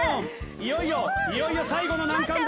いよいよいよいよ最後の難関だ。